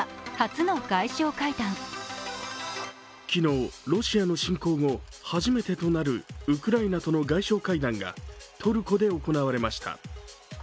昨日、ロシアの侵攻後初めてとなるウクライナとの外相会談がトルコで行われました。